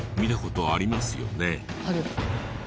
ある。